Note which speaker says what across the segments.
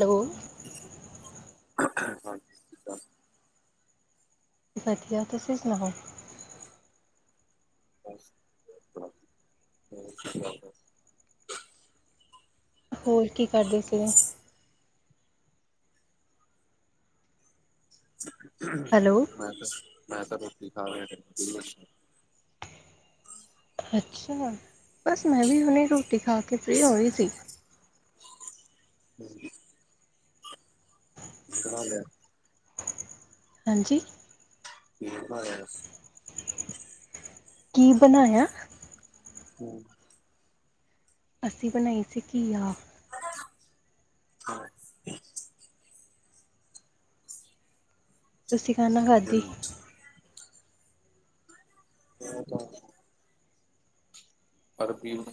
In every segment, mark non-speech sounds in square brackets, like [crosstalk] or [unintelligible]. Speaker 1: Hello.
Speaker 2: ਹਾਂਜੀ ਸਤਿ ਸ਼੍ਰੀ ਅਕਾਲ
Speaker 1: ਵਧੀਆ, ਤੁਸੀਂ ਸੁਣਾਓ?
Speaker 2: [unintelligible]
Speaker 1: ਹੋਰ ਕੀ ਕਰਦੇ ਸੀਗੇ? ਹੈਲੋ
Speaker 2: ਮੈਂ ਮੈਂ ਤਾਂ ਰੋਟੀ ਖਾ ਰਹੇ। [unintelligible]
Speaker 1: ਅੱਛਾ, ਬਸ ਮੈਂ ਵੀ ਹੁਣੇ ਰੋਟੀ ਖਾ ਕੇ ਫਰੀ ਹੋਈ ਸੀ਼।
Speaker 2: ਹਾਂਜੀ ਕੀ ਬਣਾ ਲਿਆ
Speaker 1: ਹਾਂਜੀ।
Speaker 2: ਕੀ ਬਣਾਇਆ
Speaker 1: ਕੀ ਬਣਾਇਆ?
Speaker 2: ਹੂ,,,
Speaker 1: ਅਸੀਂ ਬਣਾਈ ਸੀ ਘੀਆ਼।
Speaker 2: ਹਾਂ
Speaker 1: ਤੁਸੀਂ ਖਾਣਾ ਖਾਧੀ
Speaker 2: ਚਿਕਨ [unintelligible] ਅਰੇਬੀ ਨੂੰ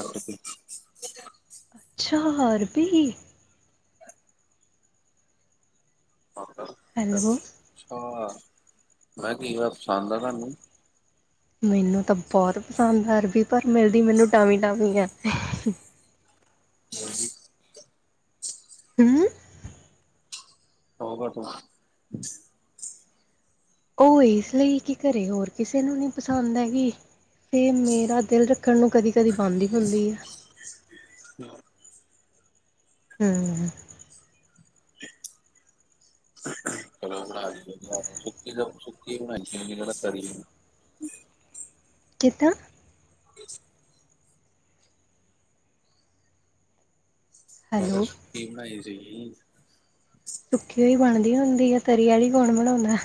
Speaker 2: [unintelligible]
Speaker 1: ਅੱਛਾ ਅਰਬੀ ਹੈਲੋ
Speaker 2: ਅੱਛਾ, ਮੈਂ ਕੀ ਹੋਇਆ ਪਸੰਦ ਆ ਤੁਹਾਨੂੰ
Speaker 1: ਮੈਨੂੰ ਤਾਂ ਬਹੁਤ ਪਸੰਦ ਆਰਬੀ ਪਰ ਮਿਲਦੀ ਮੈਨੂੰ ਟਾਵੀ ਟਾਵੀ ਆ
Speaker 2: ਹਾਂਜੀ।
Speaker 1: ਹੂ,,,
Speaker 2: ਹਾ ਓ ਕਰ ਤੂੰ।
Speaker 1: ਉਹ ਇਸ ਲਈ ਕਿ ਘਰੇ ਹੋਰ ਕਿਸੇ ਨੂੰ ਨਹੀ ਪਸੰਦ ਹੈਗੀ ਤੇ ਮੇਰਾ ਦਿਲ ਰੱਖਣ ਨੂੰ ਕਦੀ ਕਦੀ ਪਾਂਦੀ ਪਾਂਦੀ ਹੈ।
Speaker 2: ਹਾਂ।
Speaker 1: ਹੂ,,,
Speaker 2: [unintelligible] ਸੁੱਕੀ ਏ ਬਨਾਈ ਸੀਗੀ ਮੇਰੇ ਨਾਲ ਤਰੀ ਐ
Speaker 1: ਕਿਦਾਂ
Speaker 2: ਮੈਂ ਤਾਂ
Speaker 1: ਹੈਲੋ
Speaker 2: ਸੁੱਕੀ ਬਣਾਈ ਸੀਗੀ
Speaker 1: ਸੁੱਕੀ ਹੋਈ ਬਣਦੀ ਹੁੰਦੀ ਹੈ ਤਰੀ ਵਾਲੀ ਕੌਣ ਬਣਾਉਂਦਾ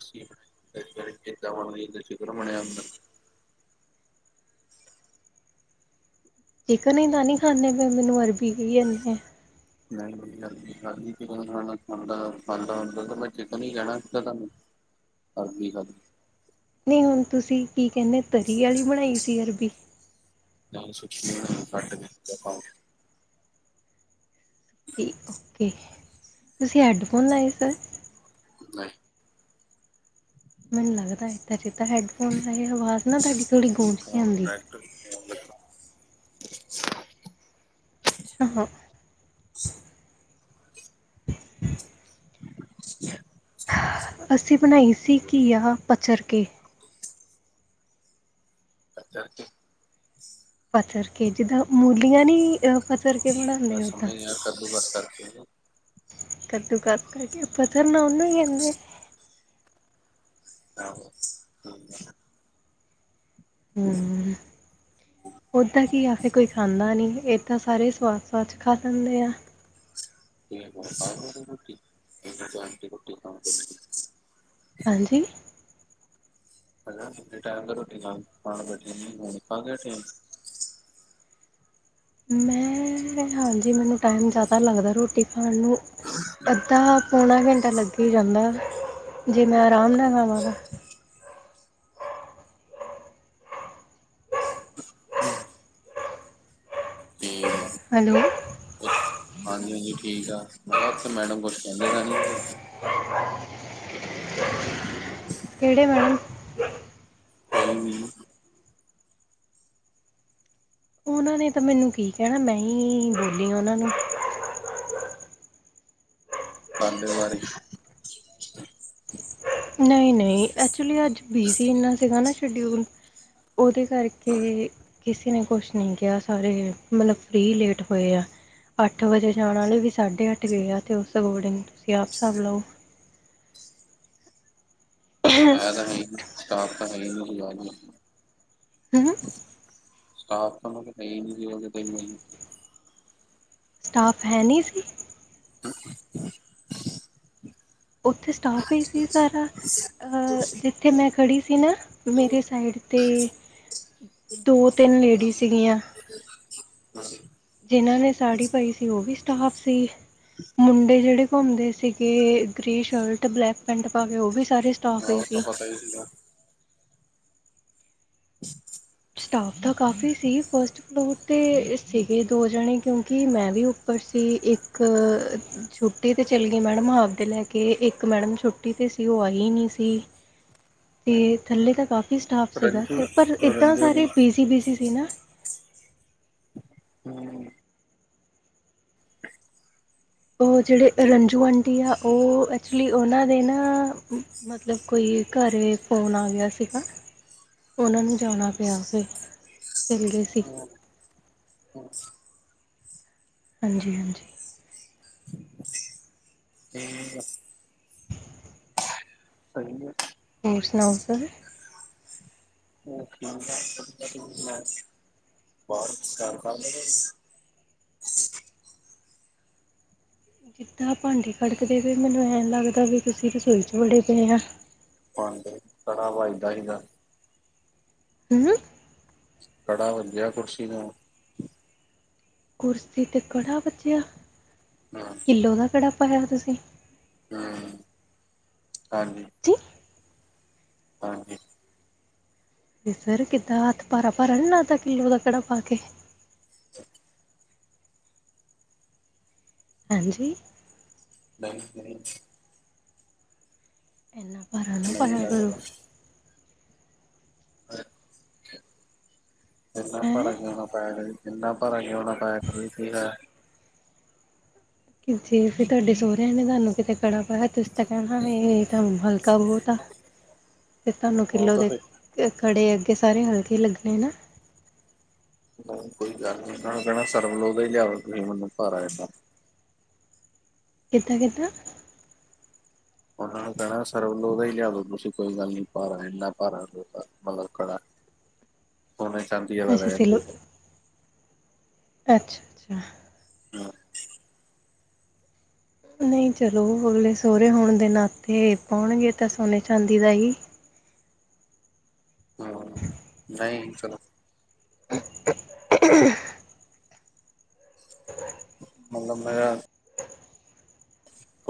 Speaker 2: ਸਕਿਪ ਇਧਰ ਜਿਦਾ ਹੁਣ ਤੁਸੀਂ ਕਿ ਚਿੱਤਰ ਬਣਿਆ ਹੁੰਦਾ।
Speaker 1: ਚਿਕਨ ਹੀ ਤਾਂ ਨਹੀ ਖਾਂਦੇ ਪਰ ਮੈਨੂੰ ਅਰਬੀ ਕਈ ਜਾਂਦੇ ਨੇ
Speaker 2: ਚਿਕਨ ਖਾਨਾ ਖਾਂਦਾ-ਖਾਂਦਾ ਹੁੰਦਾ ਤਾਂ ਮੈਂ ਚਿਕਨ ਈ ਕੈਨਾ ਸੀਗਾ ਤੁਆਨੂੰ। ਅਗਨੀ ਖਤ
Speaker 1: ਨਹੀਂ ਹੁਣ ਤੁਸੀਂ ਕੀ ਕਹਿੰਦੇ ਤਰੀ ਆਲੀ ਬਣਾਈ ਸੀ ਅਰਬੀ
Speaker 2: ਨਾਲ ਸੁੱਕੀ ਹੋਈ ਕੱਟ ਦਿੰਦਾ [unintelligible]
Speaker 1: ਤੇ ਓਕੇ ਤੁਸੀਂ ਹੈਡਫੋਨ ਲਏ ਸਰ
Speaker 2: ਨਹੀਂ
Speaker 1: ਮੈਨੂੰ ਲੱਗਦਾ ਹੈ ਜਿੱਦਾਂ ਹੈਡਫੋਨ ਆਵਾਜ਼ ਨਾ ਤੁਹਾਡੀ ਥੋੜ੍ਹੀ ਗੂੰਜ ਕੇ
Speaker 2: ਫੋਨ
Speaker 1: ਆਉਂਦੀ
Speaker 2: ਡੈਕਟ [unintelligible]
Speaker 1: ਅੱਛਾ। ਅਸੀ ਬਣਾਈ ਸੀ ਘੀਆ ਪਚਰ ਕੇ।
Speaker 2: ਅੱਛਾ-ਅੱਛਾ।
Speaker 1: ਪਚਰ ਕੇ, ਜਿੱਦਾਂ ਮੂਲੀਆਂ ਨੀ ਅ ਪਚਰ ਕੇ ਬਣਾਂਦੇ ਔਦਾਂ।
Speaker 2: ਕੱਦੂਕਾਸ ਕਰਕੇ
Speaker 1: ਕੱਦੂ ਕੱਦ ਕਰਕੇ ਪਤਾ ਨਾ ਉਨਾ ਕਹਿੰਦੇ
Speaker 2: ਆਹੋ। ਅੱਛਾ।
Speaker 1: ਹੂੰ। ਔਦਾਂ ਘੀਆ ਫਿਰ ਕੋਈ ਖਾਂਦਾ ਨਈ। ਏ ਤਾਂ ਸਾਰੇ ਸਵਾਦ-ਸਵਾਦ 'ਚ ਖਾ ਲੈਂਦੇ ਐ
Speaker 2: [inaudible]
Speaker 1: ਹਾਂਜੀ।
Speaker 2: [unintelligible] ਐ ਟੈਮ ਤੇ ਰੋਟੀ ਖਾਉਣ [unintelligible] ਬਜੇ ਹੁਣ ਕਾਦਾ ਟਾਈਮ
Speaker 1: ਮੈਂ, ਹਾਂਜੀ ਮੈਨੂੰ ਟਾਈਮ ਜ਼ਿਆਦਾ ਲੱਗਦੈ ਰੋਟੀ ਖਾਣ ਨੂੰ ਅੱਧਾ-ਪੌਣਾ ਘੰਟਾ ਲੱਗ ਈ ਜਾਂਦੈ, ਜੇ ਮੈਂ ਆਰਾਮ ਨਾਲ ਖਾਵਾਂ ਤੇ। ਹੈਲੋ।
Speaker 2: ਹਾਂਜੀ-ਹਾਂਜੀ ਠੀਕ ਆ। ਮੈਂ ਕਿਆ ਉੱਥੇ ਮੈਡਮ ਕੁਛ ਕੈਂਦੇ ਤਾਂ ਨੀਗੇ।
Speaker 1: ਕੇੜੇ ਮੈਡਮ?
Speaker 2: ਕੋਈ ਵੀ।
Speaker 1: ਔਨਾਂ ਨੇ ਤਾਂ ਮੈਨੂੰ ਕੀ ਕੈਨੈ ਮੈਂ ਹੀਂ ਬੋਲੀ ਹਾਂ ਔਨਾਂ ਨੂੰ।
Speaker 2: ਤਾਲੇਵਾਰੀ
Speaker 1: ਨਈ-ਨਈ, ਐਕਚੁਲੀ ਅੱਜ ਬਿਜੀ ਇੰਨਾ ਸੀਗਾ ਨਾ ਸ਼ਡਿਊਲ। ਔਦੇ
Speaker 2: ਹਾਂ
Speaker 1: ਕਰਕੇ ਕਿਸੇ ਨੇ ਕੁਛ ਨਹੀ ਕਿਆ ਸਾਰੇ ਮਤਲਬ ਫਰੀ ਲੇਟ ਹੋਏ ਆ। ਅੱਠ ਵਜੇ ਜਾਣ ਆਲੇ ਵੀ ਸਾਢੇ ਅੱਠ ਗਏ ਆ ਅਤੇ ਉਸ ਅਕੋਰਡਿੰਗ ਤੁਸੀਂ ਆਪ ਹਸਾਬ ਲਾਔ।
Speaker 2: [unintelligible] ਫਾਇਦਾ ਹੈ ਨੀ ਸਟਾਪ ਤਾਂ ਹੈ [unintelligible]
Speaker 1: ਹੂੰ
Speaker 2: ਸਾਫ ਤਾਂ ਮੈਂ ਉਨੂੰ ਕਹੀ ਨੀ ਵੀ ਉਨੇ ਮੈਨੂੰ।
Speaker 1: ਸਟਾਫ ਹੈ ਨੀ ਸੀ?
Speaker 2: [unintelligible]
Speaker 1: ਔਥੇ ਸਟਾਫ ਈ ਸੀ ਸਾਰਾ ਅ ਜਿੱ ਥੇ ਮੈਂ ਖੜ੍ਹੀ ਸੀ ਨਾ ਮੇਰੇ ਸਾਈਡ ਤੇ ਦੋ-ਤਿੰਨ ਲੇਡੀ ਸੀਗੀਆਂ। ਜਿਨਾਂ ਨੇ ਸਾੜੀ ਪਾਈ ਸੀ ਔ ਵੀ ਸਟਾਫ ਸੀ। ਮੁੰਡੇ ਜੇੜੇ ਘੁੰਮਦੇ ਸੀਗੇ ਗ੍ਰੇ ਸ਼ਰਟ, ਬਲੈਕ ਪੈਂਟ ਪਾ ਕੇ ਔ ਵੀ ਸਾਰੇ ਸਟਾ
Speaker 2: ਔ ਤੇ ਪਤਾ ਈ ਸੀਗਾ।
Speaker 1: ਸਟਾਫ ਤਾਂ ਕਾਫੀ ਸੀ ਫਸਟ ਬਹੋਤ ਤੇ ਅ ਸੀਗੇ ਦੋ ਜਣੇ ਕਿਉਂਕਿ ਮੈਂ ਵੀ ਉੱਪਰ ਸੀ ਇੱਕ ਛੁੱਟੀ ਤੇ ਚਲਗੀ ਮੈਡਮ ਹਾਫ ਡੇ ਲੈ ਕੇ। ਇੱਕ ਮੈਡਮ ਛੁੱਟੀ ਤੇ ਸੀ ਔ ਆਈ ਨੀ ਸੀ। ਤੇ ਥੱਲੇ ਤਾਂ ਕਾਫੀ ਸਟਾਫ ਸੀਗਾ
Speaker 2: ਰੰਜੂ
Speaker 1: ਥ ਪਰ ਏਦਾਂ
Speaker 2: ਰੰਜੂ ਨੂੰ
Speaker 1: ਸਾਰੇ ਬੀਜੀ-ਬੀਜੀ ਸੀ ਨਾ।
Speaker 2: ਹੂੰ।
Speaker 1: ਔ ਜੇੜੇ
Speaker 2: ਠੀਕ ਆ।
Speaker 1: ਰੰਜੂ ਆਂਟੀ ਆ ਔ ਐਕਚੁਲੀ ਔਨਾਂ ਦੇ ਨਾ ਮਤਲਬ ਕੋਈ ਘਰੇ ਫ਼ੋਨ ਆ ਗਿਆ ਸੀਗਾ। ਔਨਾਂ ਨੂੰ ਜਾਣਾ ਪਿਆ ਫਿਰ ਚਲਗੇ ਸੀ।
Speaker 2: ਹੋਰ [unintelligible]
Speaker 1: ਹਾਂਜੀ-ਹਾਂਜੀ।
Speaker 2: ਚੀ ਸਈ ਐ।
Speaker 1: ਹੋਰ ਸੁਣਾਔ ਸਰ।
Speaker 2: [inaudible] ਸਕਾਰ ਪਾਨੇ ਦੇ
Speaker 1: ਕਿੱਦਾਂ ਭਾਂਡੇ ਖੜਕਦੇ ਵੇ ਮੈਨੂੰ ਐਂ ਲੱਗਦਾ ਵੀ ਤੁਸੀ ਰਸੋਈ 'ਚ ਵੜੇ ਪਏ ਆ।
Speaker 2: ਭਾਂਡੇ ਕੜਾ ਵੱਜਦਾ ਨੀਗਾ।
Speaker 1: ਉਂ ਹੂੰ।
Speaker 2: ਕੜਾ ਵੱਜ ਗਿਆ ਕੁਰਸੀ ਨੂੰ
Speaker 1: ਕੁਰਸੀ ਤੇ ਕੜਾ ਵਜਿਆ!
Speaker 2: ਹਮ,
Speaker 1: ਕਿੱਲੋ ਦਾ ਕੜਾ ਪਾਇਆ ਤੁਸੀ?
Speaker 2: ਹੂ,,, ਹਾਂ
Speaker 1: ਜੀ।
Speaker 2: ਹਾਂਜੀ।
Speaker 1: ਸਰ ਕਿੱਦਾਂ ਹੱਥ ਭਾਰਾ ਭਾਰਾ ਨੀ ਕਿਲੋ ਦਾ ਕੜਾ ਪਾ ਕੇ। ਹਾਂਜੀ
Speaker 2: ਨਈ ਤੇਰੀ
Speaker 1: ਏਨਾ ਭਾਰਾ ਨਾ
Speaker 2: ਨਹੀਂ
Speaker 1: ਪਾਇਆ ਕਰੋ।
Speaker 2: ਲੱਗਦਾ। ਇਨਾ
Speaker 1: ਹੈਂ
Speaker 2: ਭਰਾ ਕਿਊ ਨਾ ਪਾਇਆ ਇਨਾ ਭਰ ਕਿਊ ਪਾਇਆ। [unintelligible]
Speaker 1: ਕਿ ਜੇ ਤੁਹਾਡੇ ਸੋਰਿਆਂ ਨੇ ਤੁਹਾਨੂੰ ਕਿਤੇ ਕੜਾ ਪਾਇਆ ਤੁਸੀਂ ਤਾਂ ਕਹਿਣਾ ਏ ਤੁਹਾਨੂੰ ਹਲਕਾ ਬਹੁਤ ਹੈ ਤੇ ਤੁਹਾਨੂੰ
Speaker 2: ਉਹ
Speaker 1: ਕਿਲੋ
Speaker 2: ਤਾਂ
Speaker 1: ਦੇ
Speaker 2: ਫਿਰ
Speaker 1: ਖੜੇ ਹੋ ਕੇ ਸਾਰੇ ਹਲਕੇ ਲੱਗਣੇ ਨਾ।
Speaker 2: ਨਾ ਕੋਈ ਗੱਲ ਨੀ ਕੋਈ ਸਰਵ [inaudible] ਭਾਰਾ ਹੈ ਤਾਂ
Speaker 1: ਕਿੱਦਾਂ ਕਿੱਦਾਂ
Speaker 2: ਹਾਂ ਕੈਣਾ ਸਰਬ ਲਿਆ ਦੋ ਤੁਸੀਂ ਕੋਈ ਗੱਲ ਨੀ ਭਾਰਾ ਐਨਾ ਭਾਰਾ ਬਹੁਤ ਆ ਕੜਾ। ਸੋਨੇ ਚਾਂਦੀ ਦਾ
Speaker 1: ਅੱਛਾ
Speaker 2: ਰਹਿਣ ਦੇ।
Speaker 1: ਅੱਛਾ-ਅੱਛਾ।
Speaker 2: [unintelligible]
Speaker 1: ਨਈ ਚਲੋ ਅਗਲੇ ਸੋਰੇ ਹੋਣ ਦੇ ਨਾਤੇ ਪੋਣਗੇ ਤਾਂ ਸੋਨੇ ਚਾਂਦੀ ਦਾ ਈ।
Speaker 2: [unintelligible] ਨਹੀਂ ਚਲੋ।
Speaker 1: [unintelligible]
Speaker 2: ਹੁਣ ਮੈ ਆ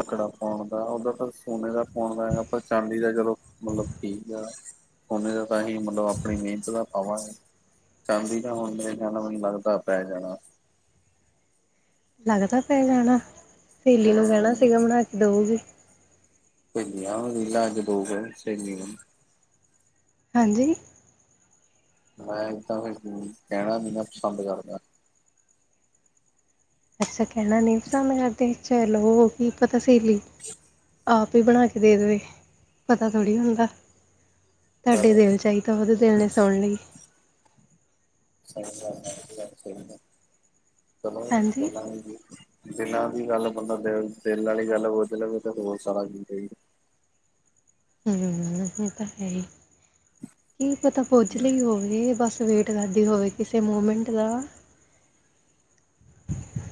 Speaker 2: ਕੜਾ ਪੋਣ ਦਾ ਉਦਾਂ ਤਾਂ ਸੋਨੇ ਦਾ ਪੋਣ ਦਾ ਹੈਗਾ ਪਰ ਚਾਂਦੀ ਦਾ ਚਲੋ ਮਤਲਬ ਪਿੱਜ਼ਾ [unintelligible] ਆਪਣੀ ਨੀਤ ਦਾ ਪਾਵਾਂ। ਚਾਂਦੀ ਦਾ ਹੁਣ ਮੇਰੇ ਖਿਆਲ ਨਾਲ ਮਰਦਾ ਪੈ ਜਾਣਾ।
Speaker 1: ਜ਼ਿਆਦਾ ਤੱਕ ਪੈ ਜਾਣਾ ਸੇਲੀ ਨੂੰ ਕਹਿਣਾ
Speaker 2: ਹੂੰ
Speaker 1: ਸੀਗਾ ਬਣਾ ਕੇ ਦਊ
Speaker 2: ਭਿੰਡੀਆਂ [unintelligible]
Speaker 1: ਹਾਂਜੀ
Speaker 2: ਮੈਂ ਤਾਂ ਵੀ ਕਹਿਣਾ ਪਸੰਦ ਕਰਦਾ
Speaker 1: ਅੱਛਾ ਕਹਿਣਾ ਨਹੀਂ ਪਸੰਦ ਕਰਦੇ ਚਲੋ ਕੀ ਪਤਾ ਸੀ। ਆਪ ਹੀ ਬਣਾ ਕੇ ਦੇ ਦਵੇ ਪਤਾ ਥੋੜੀ ਹੁੰਦਾ ਤੁਹਾਡੇ ਦਿਲ ਚਾਹੀਦਾ ਉਦੇ ਤੇ ਹਲੇ ਸੁਣ ਲਈ
Speaker 2: [unintelligible]
Speaker 1: ਹਾਂਜੀ।
Speaker 2: ਦਿਲਾਂ ਦੀ ਗੱਲ ਬੰਦਾ ਦਿਲ ਵਾਲੀ ਗੱਲ ਹੋਵੇ [unintelligible]
Speaker 1: ਹੂ ਉਹ ਤਾਂ ਹੈ ਹੀ ਕੀ ਪਤਾ ਪੁੱਛ ਰਹੀ ਹੋਵੇ ਬਸ ਵੇਟ ਕਰਦੀ ਹੋਵੇ ਕਿਸੇ ਮੂਵਮੈਂਟ ਦਾ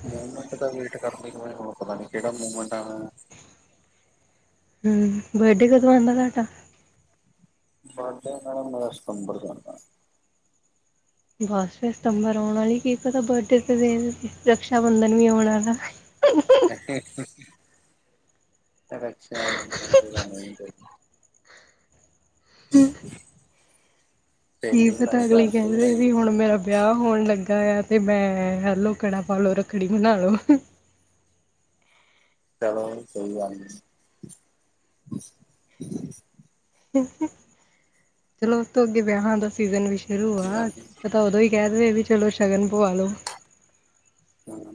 Speaker 2: ਮੂਵਮੈਂਟ ਦਾ ਵੇਟ ਕਰਦੀ ਹੋਵੇ ਪਤਾ ਨਹੀਂ ਕਿਹੜਾ ਮੂਵਮੈਂਟ ਵਾਲਾ ਹੈ।
Speaker 1: ਵਟਿਕ ਕਦੋਂ ਅੰਦਾ ਘੱਟ ਆ
Speaker 2: [unintelligible]
Speaker 1: ਬਸ ਸਤੰਬਰ ਆਉਣ ਨਹੀਂ ਕੀ ਪਤਾ ਬਰਥ ਦੇ ਦਿਨ ਰਕਸ਼ਾ ਬੰਧਨ ਵੀ ਆਣ ਵਾਲਾ ਹੈ।
Speaker 2: [inaudible] [unintelligible] ਅੱਛਾ [unintelligible]
Speaker 1: ਕੀ
Speaker 2: ਤੇਰੀ
Speaker 1: ਪਤਾ ਅਗਲੀ ਕੈ ਦੇ
Speaker 2: ਬਣਾਈ।
Speaker 1: ਵੀ ਹੁਣ ਮੇਰਾ ਵਿਆਹ ਹੋਣ ਲੱਗਾ ਐ ਤੇ ਮੈਂ ਹੈਲੋ ਕਰਾਂ ਪਾਲੋ ਰੱਖੜੀ ਬਣਾ ਲੋ।
Speaker 2: ਚਲੋ ਉਹਦੀ ਸੋਈ ਗੱਲ ਨਹੀਂ ਸੀ।
Speaker 1: ਚਲੋ ਉਸ ਤੋਂ ਅੱਗੇ ਵਿਆਹਾਂ ਦਾ ਸੀਜ਼ਨ ਵੀ ਸ਼ੁਰੂ
Speaker 2: ਕੀ
Speaker 1: ਹਾਂ।
Speaker 2: ਗੱਲ ਨੀ
Speaker 1: ਬੰਦਾ ਉਦੋਂ ਵੀ ਕਹਿ ਦੇ ਸ਼ਗਨ ਪਵਾ ਲਓ
Speaker 2: ਹਾਂ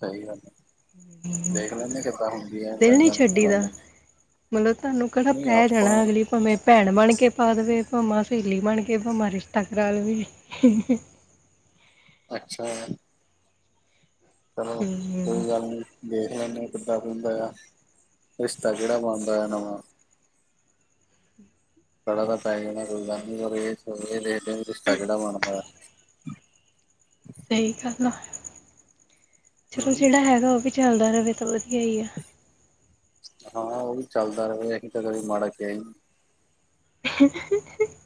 Speaker 2: ਸਹੀ ਗੱਲ ਹੈ।
Speaker 1: [inaudible]
Speaker 2: ਦੇਖ ਲੈਂਦੇ ਕਿੱਦਾਂ ਹੁੰਦੀ
Speaker 1: ਦਿਲ ਨੀ ਛੱਡੀ ਦਾ
Speaker 2: [unintelligible]
Speaker 1: ਮਤਲਬ ਤੁਹਾਨੂੰ ਕਿਹੜਾ
Speaker 2: ਨਹੀਂ
Speaker 1: ਪੈ
Speaker 2: ਆਪਾਂ
Speaker 1: ਜਾਣਾ ਅਗਲੀ ਭਾਵੇਂ ਭੈਣ ਬਣ ਕੇ ਪਾ ਦੇਵੇ ਭਾਵੇਂ ਸਹੇਲੀ ਬਣ ਕੇ ਭਾਵੇਂ ਰਿਸ਼ਤਾ ਕਰਾ ਲਵੇ
Speaker 2: ਅੱਛਾ ਚਲੋ
Speaker 1: ਹੂੰ
Speaker 2: ਕੋਈ ਗੱਲ ਨੀ ਵੇਖ ਲੈਂਦੇ ਕਿਦਾ ਬਣਦਾ, ਰਿਸ਼ਤਾ ਜਿਹੜਾ ਬਣਦਾ ਨਵਾਂ [unintelligible]
Speaker 1: ਸਹੀ ਗੱਲ, ਚਲੋ
Speaker 2: ਹਮ
Speaker 1: ਜਿਹੜਾ ਹੈਗਾ ਉਹ ਵੀ ਚੱਲਦਾ ਰਹੇ ਤਾਂ ਵਧੀਆ ਹੀ ਆ
Speaker 2: ਹਾਂ ਉਹ ਚਲਦਾ ਰਹੇ
Speaker 1: [inaudible]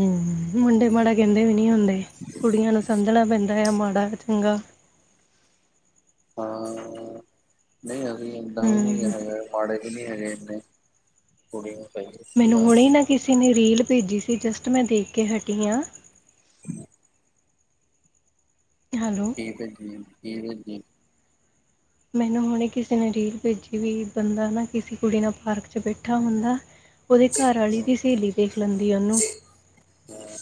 Speaker 1: ਮੁੰਡੇ ਮਾੜਾ ਕਹਿੰਦੇ ਵੀ ਨਹੀਂ ਹੁੰਦੇ, ਕੁੜੀਆ ਨੂੰ ਸਮਝਣਾ ਪੈਂਦਾ ਮਾੜਾ ਜਾਂ ਚੰਗਾ
Speaker 2: ਹਾਂ, ਨਹੀ ਅਸੀ ਇੰਨੇ ਵੀ
Speaker 1: ਹਮ
Speaker 2: ਹੈਗੇ, ਮਾੜੇ ਨੀ ਹੈਗੇ ਇੰਨੇ ਕੁੜੀ ਨੂੰ ਪੈਂਦੀ ਹੁੰਦੀ
Speaker 1: ਮੈਨੂੰ
Speaker 2: ਆਸ
Speaker 1: ਹੁਣੇ ਨਾ ਕਿਸੇ ਨੇ ਰੀਲ ਭੇਜੀ ਸੀ ਜਸਟ ਮੈਂ ਦੇਖ ਕੇ ਹਟੀ ਆ ਹੈਲੋ
Speaker 2: ਨ ਬ ਜ ਨ ਬ [unintelligible]
Speaker 1: ਮੈਨੂੰ ਹੁਣੇ ਕਿਸੇ ਨੇ ਰੀਲ ਭੇਜੀ ਵੀ ਬੰਦਾ ਨਾ ਕਿਸੇ ਕੁੜੀ ਨਾਲ ਫਰਕ ਵਿਚ ਬੈਠ ਹੁੰਦਾ ਹੈ, ਓਹਦੀ ਘਰ ਵਾਲੀ
Speaker 2: ਹਾਂ
Speaker 1: ਦੀ ਸਹੇਲੀ ਦੇਖ ਲੈਂਦੀ ਹੈ ਉਸਨੂੰ
Speaker 2: ਹਾਂ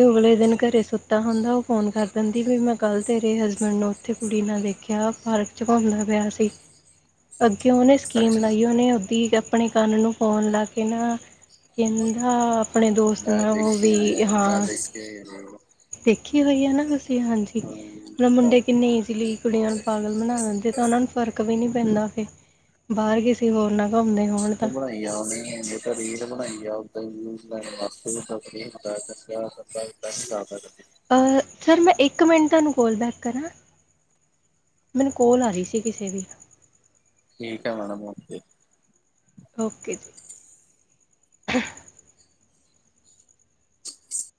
Speaker 1: ਅਗਲੇ ਦਿਨ ਘਰੇ ਸੁੱਤਾ ਹੁੰਦਾ ਉਹ ਫੋਨ ਕਰ ਦਿੰਦੀ ਵੀ ਮੈਂ ਕੱਲ ਤੇਰੇ ਹਸਬੈਂਡ ਨੂੰ ਉਥੇ ਕੁੜੀ ਨਾਲ ਵੇਖਿਆ, ਪਾਰਕ ਚ ਘੁੰਮਦਾ ਪਿਆ ਸੀ।
Speaker 2: ਹ [unintelligible]
Speaker 1: ਅੱਗੇ ਉਹ [unintelligible] ਨੇ ਸਕੀਮ ਬਣਾਈ ਉਹਨੇ ਉਹਦੀ ਆਪਣੇ ਕੰਨ ਨੂੰ ਫੋਨ ਲਾ ਕੇ ਨਾ, ਕਹਿੰਦਾ ਆਪਣੇ ਦੋਸਤ
Speaker 2: ਮੈਂ
Speaker 1: ਨਾਲ ਉਹ ਵੀ
Speaker 2: ਦੇਖੀ ਹੋਈ ਆ ਮੈਂ
Speaker 1: ਹਾਂ
Speaker 2: ਦੇਖਿਆ ਕੇ
Speaker 1: ਦੇਖੀ ਹੋਈ ਆ ਨਾ ਤੁਸੀਂ ਹਾਂਜੀ,
Speaker 2: ਹਮ ਹਾਂ
Speaker 1: ਮੁੰਡੇ ਕਿੰਨੀ ਇਜਲੀ ਕੁੜੀਆਂ ਨੂੰ ਪਾਗਲ ਬਣਾ ਦਿੰਦੇ, ਤਾਂ ਉਹਨਾ ਨੂੰ ਫਰਕ ਵੀ ਨੀ ਪੈਂਦਾ ਫਿਰ, ਬਾਹਰ ਕਿਸੇ ਹੋਰ ਨਾ ਘੁੰਮਦੇ ਹੋ।
Speaker 2: ਬਣਾਈ ਜਾਣ ਦੇ ਉਹਨੂੰ [unintelligible] [unintelligible]
Speaker 1: ਸਰ ਮੈਂ ਇੱਕ ਮਿੰਟ ਤੁਹਾਨੂੰ ਕੋਲ ਬੈਕ ਕਰਾਂ। ਮੈਨੂੰ ਕੋਲ ਆ ਰਹੀ ਸੀ ਕਿਸੇ ਦੀ।
Speaker 2: ਠੀਕ ਹੈ ਮੈਡਮ ਓਕੇ।
Speaker 1: ਓਕੇ ਜੀ।
Speaker 2: ਅ [unintelligible] [unintelligible]